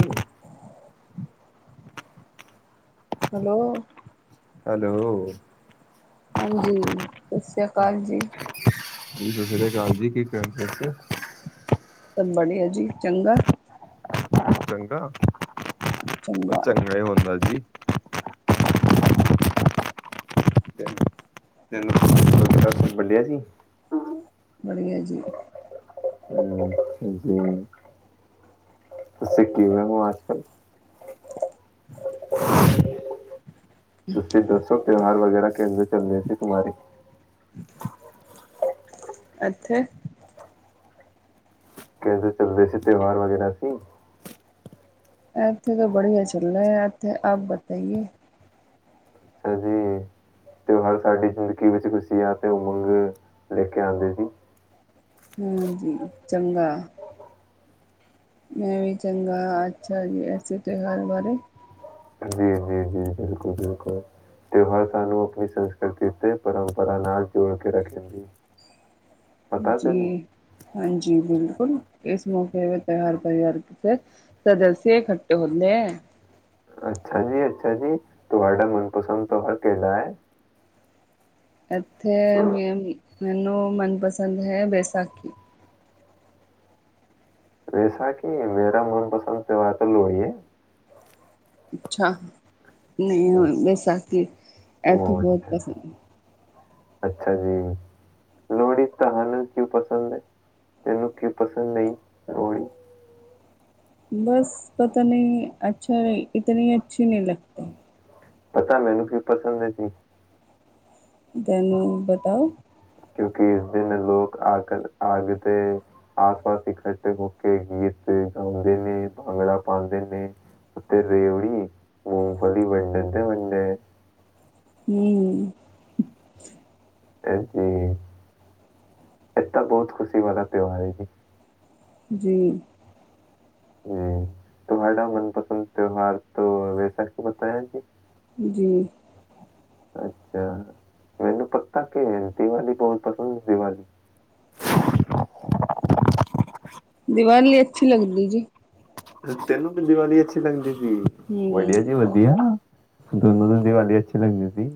ਹੂੰ। Hello? Hello? ਹਾਂਜੀ ਸਤਿ ਸ੍ਰੀ ਅਕਾਲ ਜੀ। ਜੀ ਸਤਿ ਸ੍ਰੀ ਅਕਾਲ ਜੀ ਕੀ ਕਰਦੇ ਸੀ? ਸਭ ਬੜੀਆ ਜੀ ਚੰਗਾ। ਚੰਗਾ। ਉਹ ਚੰਗਾ ਹੁੰਦਾ। ਜੀ। ਤੈਨੂੰ ਵੱਡਿਆ ਸੀ ਹੂੰ। ਬੜੀਆ ਜੀ। ਹੂੰ ਜੀ ਤੁਸੀਂ ਕੀ ਬਣਾਉਣੇ ਹੋ ਅੱਜਕਲ੍ਹ। ਤੁਸੀਂ ਦੱਸੋ ਤਿਉਹਾਰ ਵਗੈਰਾ? ਦਾ ਕੇਂਦਰ ਚੱਲਦੇ ਸੀ ਕੁਮਾਰੀ। ਇੱਥੇ? ਕਿਵੇ ਚੱਲਦੇ ਸੀ ਤਿਉਹਾਰ ਵਗੈਰਾ ਸੀ? ਇੱਥੇ ਤਾਂ ਬੜੀਆ ਚੱਲ ਰਿਹੇ ਹੈ ਇੱਥੇ ਆਪ ਬਤਾਈਏ? ਅੱਛਾ ਜੀ ਤੇ ਉਹ ਹਰ ਸਾਡੀ ਜ਼ਿੰਦਗੀ ਵਿੱਚ ਖੁਸ਼ੀ ਆ ਅਤੇ ਉਮਗ ਲਿਖ ਕੇ ਆਉਂਦੇ ਜੀ। ਹਾਂਜੀ ਚੰਗਾ ਮੈਂ ਵੀ ਚੰਗਾ ਅੱਛਾ ਜੀ ਐਸੇ ਤਿਉਹਾਰ ਬਾਰੇ। ਜੀ ਜੀ ਜੀ ਬਿਲਕੁਲ ਬਿਲਕੁਲ ਤਿਉਹਾਰ ਸਾਨੂੰ ਆਪਣੀ ਸੰਸਕ੍ਰਿਤੀ ਅਤੇ ਪਰੰਪਰਾ ਨਾਲ ਜੋੜ ਕੇ ਰੱਖ ਦਿੰਦੇ ਹੈ। ਜੀ ਹਾਂਜੀ ਬਿਲਕੁਲ। ਬਿਲਕੁਲ ਇਸ ਮੌਕੇੇ ਤਿਉਹਾਰ ਪਰਿਵਾਰ ਸਦੱਸ ਇਕੱਠੇ ਹੋਦੇ ਹੈ। ਅੱਛਾ ਜੀ ਅੱਛਾ ਜੀ ਤੁਹਾਡਾ ਮਨਪਸੰਦ ਤਿਉਹਾਰ ਕਿਹੜਾ ਹੈ। ਇੱਥੇ ਮੈਂ ਵੀ। ਮੈਂਨੂੰ ਮੈਨੂੰ ਮਨਪਸੰਦ ਹੈ ਵੈਸਾਖੀ। ਵੈਸਾਖੀ ਮੇਰਾ ਮਨਪਸੰਦ ਤਿਉਹਾਰ ਤਾਂ ਲੋਹੜੀ ਹੈ। ਅੱਛਾ। ਨਹੀਂ ਹੁਣ ਵੈਸਾਖੀ ਇੱਥੇ ਬਹੁਤ ਪਸੰਦ। ਅੱਛਾ ਜੀ ਲੋਹੜੀ ਤੁਹਾਨੂੰ ਕਿਉਂ ਪਸੰਦ ਹੈ ਤੈਨੂੰ ਕਿਉ ਪਸੰਦ ਆਈ ਲੋਹੜੀ? ਬਸ ਪਤਾ ਨਹੀਂ ਅੱਛਾ ਇਤਨੀ ਅੱਛੀ ਨਹੀਂ ਲੱਗਦੀ? ਪਤਾ ਮੈਨੂੰ ਕਿਉਂ ਪਸੰਦ ਹੈ ਜੀ? ਤੈਨੂੰ ਪਤਾ ਹੈ? ਕਿਉਂਕਿ ਇਸ ਦਿਨ ਲੋਕ ਆ ਆਗ ਤੇ ਆਸ ਪਾਸ ਇਕੱਠੇ ਹੋ ਕੇ ਗੀਤ ਗਾਉਂਦੇ ਨੇ ਭੰਗੜਾ ਪਾਉਂਦੇ ਨੇ ਅਤੇ ਰੇਉੜੀ, ਮੂੰਗਫਲੀ ਵੰਡਣ ਤੇ ਵੰਡੇ। ਹੂੰ। ਤੇ ਜੀ ਇਹ ਤਾਂ ਬਹੁਤ ਖੁਸ਼ੀ ਵਾਲਾ ਤਿਉਹਾਰ ਹੈ ਜੀ‌। ਜੀ ਤੁਹਾਡਾ ਮਨਪਸੰਦ ਤਿਉੱਹਾਰ ਤਾਂ ਵੈਸਾ ਕੀ ਬਤਾਇਆ ਜੀ ਜੀ ਅੱਛਾ ਮੈਨੂੰ ਪਤਾ ਕਿ ਦੀਵਾਲੀ ਬਹੁਤ ਪਸੰਦ ਦੀਵਾਲੀ ਦੀਵਾਰ ਲਈ ਅੱਛੀ ਲੱਗਦੀ ਜੀ ਤੈਨੂੰ ਵੀ ਦੀਵਾਲੀ ਅੱਛੀ ਲੱਗਦੀ ਵਧੀਆ ਜੀ ਵਧੀਆ ਦੋਨੋਂ ਦੀ ਦੀਵਾਲੀ ਅੱਛੀ ਲੱਗਦੀ ਸੀ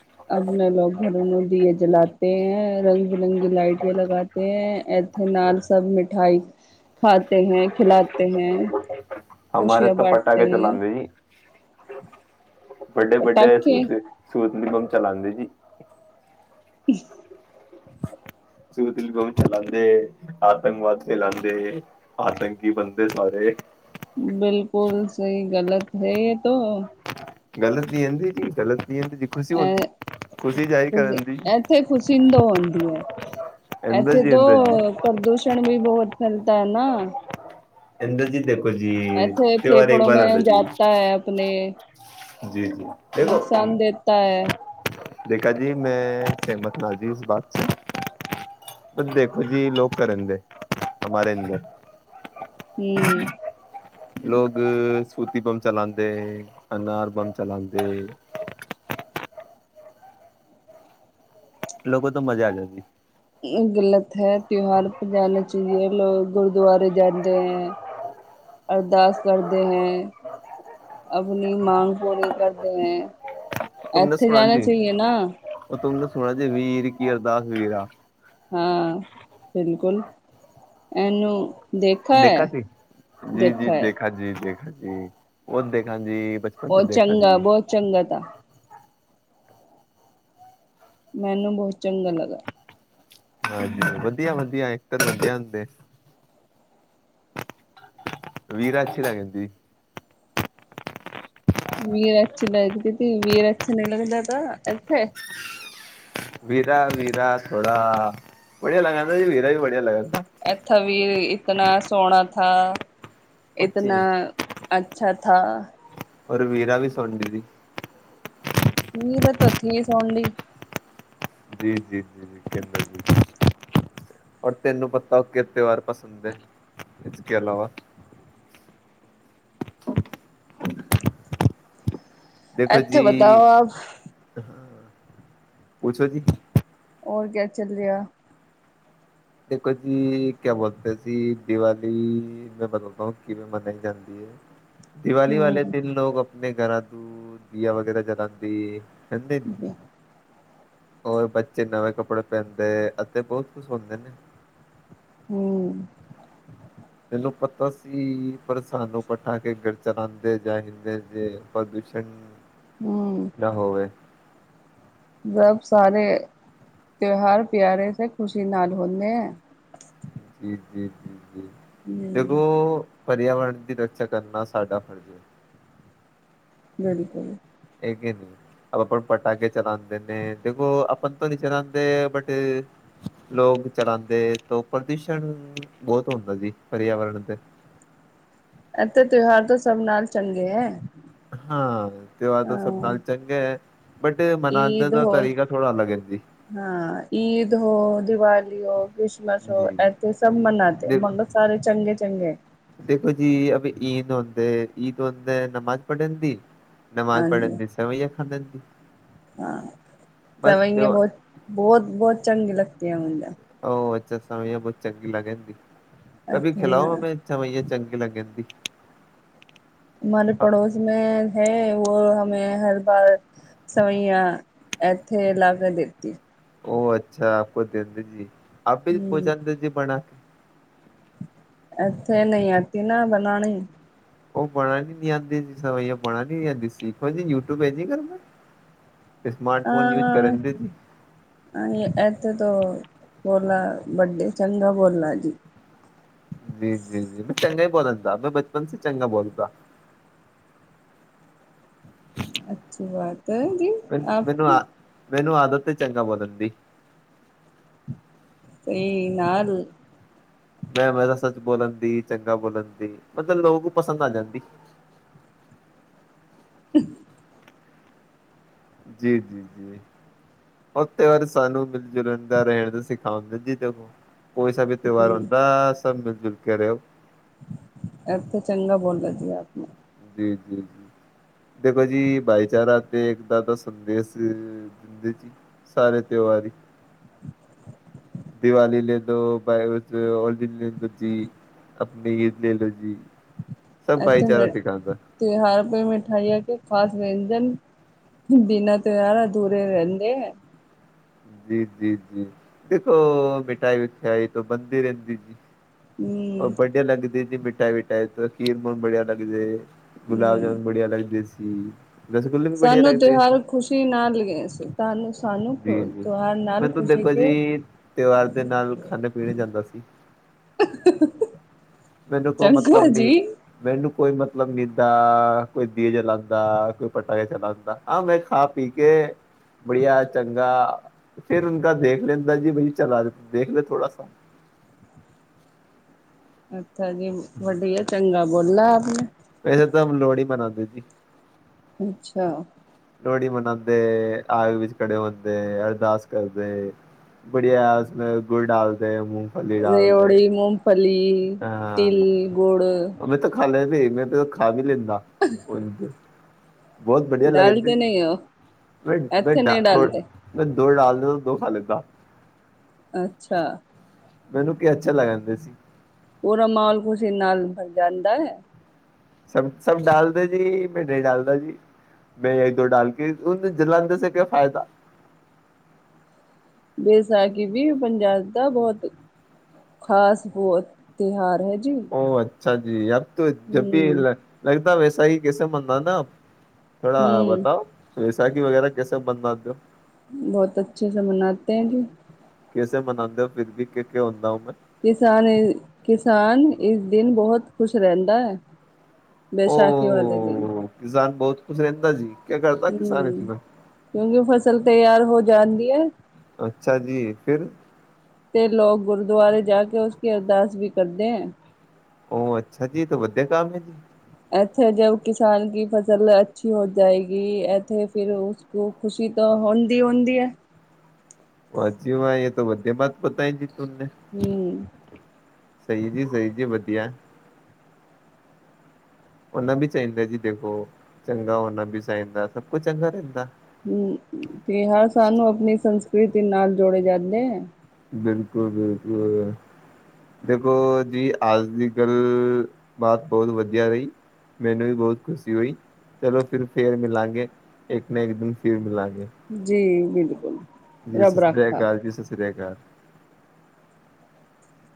ਅ ਆਪਣੇ ਲੋਕ ਘਰ [unintelligible] ਰਾਤ ਨੂੰ ਦੀਏ ਜਲਾਤੇ ਹੈ ਰੰਗ ਬਿਰੰਗੀ ਲਾਈਟੇਂ ਲਗਾਤੇ ਹੈ ਇੱਥੇ ਨਾਲ ਸਭ ਮਿੱਠਾਈ ਖਾਤੇ ਹੈ ਖਿਲਾਤੇ ਹੈ ਹਮਾਰੇ ਤਾਂ ਪਟਾਖੇ ਚਲਾਉਦੇਂ ਜੀ ਵੱਡੇ ਵੱਡੇ ਨਿਗਮ ਚਲਾਂਦੇ ਜੀ [unintelligible] ਸਿਲ ਚਲਾਉਦੇ ਆਤੰਕਵਾਦ ਫੈਲਾਦੇ ਆਤੰਕੀ ਬੰਦੇ ਸਾਰੇ ਰ ਤੋਂ [unintelligible] ਗਲਤ ਹੀ ਕਹਿੰਦੀ ਜੀ ਗਲਤ ਨਹੀਂ ਹੁੰਦੀ ਜੀ ਖੁਸ਼ੀ ਅ ਹੁੰਦੀ ਖੁਸ਼ੀ ਜਾਹਿਰ ਕਰਨ ਖ ਦੀ ਇੱਥੇ ਖੁਸ਼ਦ ਆਉਂਦੀ ਹੈ ਅੰਦਰ ਇੱਥੇ ਜੀ ਤੋਂ ਅੰਦਰ ਜੀ ਪ੍ਰਦੂਸ਼ਣ ਵੀ ਬਹੁਤ ਫੇਲਤਾ ਹੈ ਨਾ ਇੰਦਰਜੀਤ ਇੱਥੇ ਫੇਫੜੋ ਮੈਂ ਜਾਤਾ ਹੈ ਆਪਣੇ ਨੁਕਸਾਨ ਦੇਤਾ ਹੈ ਦੇਖਾ ਜੀ ਮੈਂ ਸਹਿਮਤ ਨਜਾ‌‌ਇਜ਼ ਬਾਤ ਸੀ ਦੇਖੋ ਜੀ ਲੋਕ ਕਰਨਗੇ ਹਮਾਰੇ ਅੰਦਰ ਹਮ ਲੋਕ ਸੂਤੀ ਬੰਬ ਚਲਾਉਂਦੇ ਅਨਾਰ ਬੰਬ ਚਲਾਉਂਦੇ ਲੋਕ ਤਾਂ ਮਜ਼ਾ ਆ ਜਾ ਸੀ ਗਲਤ ਹੈ ਤਿਉਹਾਰ ਜਾਣਾ ਚਾਹੀਏ ਲੋਕ ਗੁਰੂਦੁਆਰੇ ਜਾਂਦੇ ਹੈ ਅਰਦਾਸ ਕਰਦੇ ਹੈ ਆਪਣੀ ਮਾਂਗ ਪੂਰੀ ਕਰਦੇ ਹੈ ਇੱਥੇ ਜਾਣਾ ਚਾਹੀਏ ਨਾ ਸੁਣਾ ਜੇ ਵੀਰ ਕੀ ਅਰਦਾਸ ਵੀਰ ਹਾਂ ਬਿਲਕੁਲ ਇਹਨੂੰ ਦੇਖਾ ਸੀ ਜੀ ਜੀ ਦੇਖਾ ਜੀ ਦੇਖਾ ਜੀ ਉਹ ਦੇਖਾ ਬਚਪਨ ਬਹੁ ਚ ਚੰਗਾ ਬਹੁਤ ਚੰਗਾ ਤਾ ਮੈਨੂੰ ਬਹੁਤ ਚੰਗਾ ਲੱਗਾ ਹਾਂਜੀ ਵਧੀਆ ਵਧੀਆ ਐਕਟਰ ਵਧਿਆ ਹੁੰਦੇ ਵੀਰਾ ਅੱਛੀ ਲੱਗ ਜਾਂਦੀ ਵੀਰ ਅੱਛੀ ਲੱਗਦੀ ਤੀ ਵੀਰ ਅੱਛਾ ਨਹੀਂ ਲਗਦਾ ਤਾਂ ਇੱਥੇ ਵੀਰਾ ਵੀਰਾ ਥੋੜਾ ਬੜੀਆ ਲੱਗ ਜਾਂਦਾ ਜ ਵੀਰਾ ਵੀ ਬੜੀਆ ਲੱਗ ਇੱਥਾ ਵੀ ਕਿਤਨਾ ਸੋਹਣਾ ਥਾ ਇਤਨਾ ਅੱਛਾ ਥਾ ਉਹ ਵੀਰਾ ਵੀ ਸੋਡਰੀ ਵੀ ਤਾਂ ਧੋਥੀ ਸਣ ਡ ਜੀ ਜੀ ਜੀ ਜੀਦਰ ਔਰ ਤੈਨੂੰ ਪਤਾ ਉਹ ਕਿ ਤਿਉਹਾਰ ਪਸੰਦ ਹੈ ਇਸਕੇ ਇਲਾਵਾ ਇੱਥੇ ਬਤਾਓ ਆਪ ਪੁੱਛੋ ਜੀ ਹੋਰ ਕਿਆ ਚੱਲ ਰਿਹਾ ਦੇਖੋ ਜੀ ਕਿਆ ਬੋਲਦੇ ਸੀ ਦੀਵਾਲੀ ਮੈਂ [unintelligible] ਕਿਵੇਂ ਮਨਾਈ ਜਾਂਦੀ ਹੈ ਦੀਵਾਲੀ ਵਾਲੇ ਹੂੰ ਦਿਨ ਲੋਗ ਆਪਣੇ ਘਰਾਂ ਤੂੰ ਦੀਆ ਵਗੈਰਾ ਜਲਾਦੀ [unintelligible] ਹੋਰ ਬੱਚੇ ਨਵੇਂ ਕੱਪੜੇ ਪੈਂਦੇ ਅਤੇ ਬਹੁਤ ਖੁਸ਼ ਹੁੰਦੇ ਨੇ ਹੂੰ ਤੈਨੂੰ ਪਤਾ ਸੀ ਪਰ ਸਾਨੂੰ ਬਠਾ ਕੇ ਗਰ ਚਲਾਦੇ ਜਾਦੇ ਹੂੰ [unintelligible] ਨਾ ਹੋਵੇ ਜਬ ਸਾਰੇ ਤਿਉਹਾਰ ਪਿਆਰੇ ਸੇ ਖ਼ੁਸ਼ੀ ਨਾਲ ਹੁੰਦੇ ਹੈ ਜੀ ਜੀ ਜੀ ਹੂੰ ਦੇਖੋ ਪਰਿਆਵਰਨ ਦੀ ਰੱਖਿਆ ਕਰਨਾ ਸਾਡਾ ਫਰਜ਼ ਹੈ ਬਿਲਕੁਲ ਲੇਕਿਨ ਆਪਣ ਪਟਾਕੇ ਚਲਾਂਦੇ ਨੇ ਦੇਖੋ ਆਪਾਂ ਤੋਂ ਨੀ ਚਲਾਉਂਦੇ ਬਟ ਲੋਕ ਚਲਾਂਦੇ ਤੋਂ ਪ੍ਰਦੂਸ਼ਣ ਬਹੁਤ ਹੁੰਦਾ ਜੀ ਪਰਿਆਵਰਨ ਤੇ ਇੱਥੇ ਤਿਉਹਾਰ ਤੋਂ ਸਭ ਨਾਲ ਚੰ ਗੇ ਐ ਹਾਂ ਤਿਉਹਾਰ ਤੋਂ ਸਭ ਨਾਲ ਚੰਗੇ ਹੈ ਬਟ ਮਨਾਉਂਦੇ ਈਦ ਦਾ ਹੋ ਤਰੀਕਾ ਥੋੜਾ ਅਲੱਗ ਹੈ ਜੀ ਹਾਂ ਈਦ ਹੋ ਦੀ ਵਾਲੀ ਕ੍ਰਿਸਮਸ ਹੋ ਜੀ ਇੱਥੇ ਸਭ ਮਨਾਤੇ ਦੇਖ ਮਗਰ ਸਾਰੇ ਚੰਗੇ ਚੰਗੇ ਹੁੰਦੇ ਈਦ ਹੁੰਦਾ ਨਮਾਜ਼ ਪੜ੍ਹਨ ਦੀ ਨਮਾਜ਼ ਪੜ੍ਹਨ ਦੀ ਸਮਝ [unintelligible] ਹਾਂ ਸਵਾਹੀ ਹੈ ਬਹੁਤ ਬਹੁਤ ਬਹੁਤ ਚੰਗੇ [unintelligible] ਉਹ ਅੱਛਾ [unintelligible] ਬਹੁਤ ਚੰਗੀ ਲੱਗ ਰਹੀ ਸੀ? ਕਭੀ ਖਿਲਾਓ ਹਮੇ [unintelligible] ਚੰਗੇ ਲੱਗੇਦੀ। ਹਮਾਰੇ ਪੜੋਸ ਮੈਂ ਹੈ ਉਹ ਹਮੇ ਹਰ ਬਾਰ? ਸਈਆਂ ਇੱਥੇ ਲਾ ਕੇ ਦਿੱਤੀ? ਉਹ ਅੱਛਾ ਆਪ ਦਿੰਦੀ ਸੀ? ਆਪੇ ਪੁਹੰਚਤੇ ਥੇ ਬਣਾ ਕੇ। ਇੱਥੇ ਨਹੀਂ ਆਤੀ ਨਾ ਬਣਾਉਣੀ? ਉਹ ਬਣਾਉਣੀ ਨਹੀਂ ਆਉਂਦੀ ਬਣਾਉਣੀ ਨਹੀਂ ਆਉਂਦੀ ਸੀ ਸਿੱਖੋ ਜੀ ਯੂਟਿਊਬ ਹੈ ਜੀ ਘਰ ਪਰ? ਅ ਅ ਨਹੀਂ ਇੱਥੇ ਤੋ। ਬੋਲਾ ਵੱਡੇ ਚੰਗਾ ਬੋਲਾ ਜੀ। ਜੀ ਜੀ ਜੀ ਮੈਂ ਚੰਗਾ ਹੀ ਬੋਲਦਾ ਮੈਂ ਬਚਪਨ ਸੇ ਚੰਗਾ ਬੋਲਦਾ। ਅੱਛੀ ਬਾਤ ਹੈ ਜੀ ਆਪਕੀ। ਤੇ ਚੰਗਾ ਬੋਲਣ ਦੀ। ਸਹੀ ਨਾਲ। ਮੈਂ ਮੈਂ ਤਾਂ ਸੱਚ ਬੋਲਣ ਦੀ ਚੰਗਾ ਬੋਲਣ ਦੀ ਮਤਲਬ ਲੋਕ ਪਸੰਦ ਆ ਜਾਂਦੀ ਹੈ? ਹੂੰ। ਜੀ ਜੀ ਜੀ ਉੱਥੇ ਫੇਰ ਸਾਨੂੰ ਮਿਲ ਜੁਲਣ ਦਾ ਰਹਿਣ ਦਾ ਸਿਖਾਉਂਦਾ ਜੀ ਸਾਨੂੰ? ਕੋਈਸਾ ਵੀ ਤਿਉਹਾਰ ਹਮ ਹੁੰਦਾ ਸੀ? ਸਭ ਮਿਲ ਜੁੱਲ ਕੇ ਰਹਿਉਂ? ਇੱਥੇ ਚੰਗਾ ਬੋਲੋ ਜੀ ਆਪ ਨੂੰ? ਜੀ ਜੀ ਜੀ ਦੇਖੋ ਜੀ ਭਾਈਚਾਰਾ ਤੇ ਇੱਕਤਾ ਦਾ ਸੰਦੇਸ਼ ਦਿੰਦੇ ਜੀ ਸਾਰੇ ਤਿਉਹਾਰ? ਦੀਵਾਲੀ ਲੈਦੋ ਵਾਹਿਗੁਰੂ ਉਹ ਲੈਦੋ ਜੀ ਆਪਣੀ ਈਦ ਲੈ ਲੋ ਜੀ? ਸਭ ਇੱਥੇ ਭਾਈਚਾਰਾ ਮੇਰੇ ਸਿਖਾਂਦਾ। ਤਿਉਹਾਰ ਤੇ ਮਿਠਾਈਆਂ ਕੇ? ਖਾਸ ਵਿਅੰਜਨ ਬਿਨਾਂ ਤਿਉਹਾਰਾ ਅਧੂਰੇ ਰਹਿੰਦੇ ਹੈ? ਜੀ ਜੀ ਜੀ ਦੇਖੋ ਮਿਠਾਈ ਵਿਠਾਈ ਤੋਂ ਬਣਦੀ ਰਹਿੰਦੀ ਜੀ? ਉਹ ਹਮ ਵੜੀਆ ਲੱਗਦੀ ਜੀ? ਟੈਵੀ ਟੈਕਸ ਖੀਰ ਬਹੁਤ ਬੜੀਆ ਲੱਗ ਜੇ? ਗੁਲਾਬ ਹਮ ਜਾਮੁਨ ਬੜੀਆ ਲੱਗਦੀ ਸੀ? ਹੂੰ। ਸਾਨੂੰ ਤਿਉਹਾਰ ਖੁਸ਼ੀ ਨਾਲ ਲਗਏ ਸੀ ਤੁਹਾਨੂੰ? ਸਾਨੂੰ ਜੀ ਜੀ ਤਿਉਹਾਰ ਨਾਲ ਮੈਨੂੰ ਖੁਸ਼ੀ ਦੇਖੋ ਕੇ ਜੀ ਤਿਉਹਾਰ ਦੇ ਨਾਲ ਖਾਣੇ ਪੀਣੇ ਜਾਂਦਾ ਸੀ ਮੈਨੂੰ ਕੋਈ ਮਤਲਬ ਚੰਗਾ ਨੀ ਜੀ ਮੈਨੂੰ? ਕੋਈ ਮਤਲਬ ਨੀਂਦਾ, ਕੋਈ ਦੀਵੇ ਜਲਾਉਂਦਾ, ਕੋਈ ਪਟਾਕੇ ਚਲਾਉਂਦਾ ਆਹ ਮੈਂ ਖਾ ਪੀ ਕੇ ਬੜੀਆ। ਚੰਗਾ ਫਿਰ ਉਣਕਾ ਦੇਖ ਲੈਂਦਾ ਜੀ ਬਈ ਚਲਾ ਦੇਖ ਲੇ ਥੋੜਾ ਸ। ਅੱ। ਅੱਛਾ ਜੀ ਵੜੀਆ ਚੰਗਾ। ਗੁੱਟ ਲਾ ਤੂੰ। ਵੈਸੇ ਤਾਂ ਹਮ ਲੋਹੜੀ ਮਨਾਦੇ ਜੀ? ਅੱਛਾ ਲੋਹੜੀ ਮਨਾਉਦੇ ਆਗ ਵਿੱਚ ਖੜੇ ਹੁੰਦੇ ਅਰਦਾਸ ਕਰਦੇ ਬੜੀਆ ਉਸੇ ਗੁੜ ਡਾਲਦੇ ਰੇਓੜੀ ਮੋਫਲੀ ਲੀ ਤਿਲ ਗੁੜ ਖ ਲੈ ਮੈਂ ਤੇ ਖਾ ਵੀ ਲੈਂਦੀ ਉ [unintelligible] ਬਹੁਤ ਬਧੀਆ ਲੱਗ ਡਾਲਤੇ ਨਹੀਂ ਹੋ ਮੈਂ ਮੈ ਇੱਥੇ ਨਹੀਂ ਡਾਲਤੇ ਦੋ ਡਾਲਦੇ ਦੋ ਖਾ ਲੱਗਾ ਅੱਛਾ ਮੈਨੂੰ ਕੀ ਅੱਛਾ ਲੱਗ ਜਾਂਦੇ ਸੀ ਪੂਰਾ ਮਾਹੌਲ ਖੁਸ਼ੀ ਨਾਲਰ ਜਾਂਦਾ ਹੈ ਸਭ ਸਭ ਡਾਲਦਾ ਜੀ ਮੈਂ ਨਹੀਂ ਡਾਲਦਾ ਜੀ ਮੈਂ ਇੱਕ ਦੋ ਡਾਲ ਕੇੂੰ ਜਲੰਦੇ ਕਿਆ ਫਾਇਦਾ ਬੇਸਾਖੀ ਵੀ ਪੰਜਾਬ ਬਹੁਤ ਖ਼ਾਸ ਬਹੁ ਤਿਉਹਾਰ ਹੈ ਜੀ ਉਹਰ਼ ਅੱਛਾ ਜੀ ਯਾਰ ਜਬ ਵੀ ਹੂੰ ਲਗਦਾ ਵੈਸੇ ਸਹੀਕੇ ਮੰਨਦਾ ਨਾ ਥੋੜਾ ਹੂੰ ਬਤਾਓ ਬਸਾਕੀ ਵਗੈਰਾ ਜੈਸੇ ਬਣਵਾ ਦਿ ਹੋ ਬਹੁਤ ਅੱਛੇ ਸ ਮਨਾਤੇ ਹੈ ਕਿ ਕਿਸੇ ਮਨਾਉਦੇ ਹੋ ਫਿਰ ਵੀ ਕ ਹੁੰਦਾ ਹੋ ਮੈਂ ਕਿਸਾਨ ਕਿਸਾਨ ਇਸ ਦਿਨ ਬਹੁਤ ਖ਼ੁਸ਼ ਰਹਿੰਦਾ ਹੈ ਬੈਸਾਖੀ ਵਾਲੇ ਦਿਨ ਕੁਛ ਰਹਿੰਦਾ ਜੀ ਹਮ ਕਿਉਂਕਿ ਉਹ ਫਸਲ ਤਿਆਰ ਹੋ ਜਾਣ ਵਧੀਆ ਤੇ ਲੋਕ ਗੁਰਦੁਆਰੇ ਜਾ ਕੇ ਉਸ ਅਰਦਾਸ ਵੀ ਕਰਦੇ ਆ ਉਹ ਅੱਛਾ ਜੀ ਤ ਵਧਆ ਕੰਮ ਹੈ ਜੀ ਇੱਥੇ ਜ ਕਿਸਾਨ ਕੀ ਫਸਲ ਅੱਛੀ ਹੋ ਜਾਏਗੀ ਇੱਥੇ ਫਿਰ ਉਸਕ ਖੁਸ਼ੀ ਤਾਂ ਹੁੰਦੀ ਹੁੰਦੀ ਹੈ ਵਚਿ ਇਹ ਤਾਂ ਬਧੇ ਬਾਤ ਪਤਾਈ ਹੂੰ ਸਹੀ ਜੀ ਸਹੀ ਜੀ ਵ ਉਹਨਾ ਵੀ ਚਾਹੀਦਾ ਜੀ ਦੇਖੋ ਚੰਗਾ ਨਾ ਵੀ ਚਾਹੀਦਾ ਸਭ ਕੁਛ ਚੰਗਾ ਰਹਿੰਦਾ ਹਮ ਤੇ ਹਰ ਸਾਨੂੰ ਆਪਣੀ ਸੰਸਕ੍ਰਿਤੀ ਨਾਲ ਜੋੜੇ ਜਾਂਦੇ ਬਿਲਕੁਲ ਬਿਲਕੁਲ ਦੇਖੋ ਜੀ ਅੱਜ ਦੀ ਗੱਲ ਬਾਤ ਬਹੁਤ ਵਧੀਆ ਰਹੀ ਮੈਨੂੰ ਵੀ ਬਹੁਤ ਖੁਸ਼ੀ ਹੋਈ ਚਲੋ ਫਿਰ-ਫੇਰ ਮਿਲਾਂਗੇ ਇੱਕ ਨਾ ਇੱਕ ਦਿਨ ਫਿਰ ਮਿਲਾਂਗੇ। ਜੀ, ਬਿਲਕੁਲ, ਜੀ ਰੱਬ ਸਤਿ ਸ੍ਰੀ ਰਾਖਾ। ਅਕਾਲ ਜੀ ਸਤਿ ਸ੍ਰੀ ਅਕਾਲ, [unintelligible]